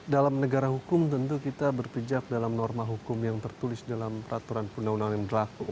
dalam negara hukum tentu kita berpijak dalam norma hukum yang tertulis dalam peraturan undang undang yang berlaku